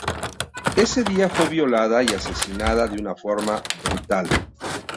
Ese día fue violada y asesinada de una forma brutal.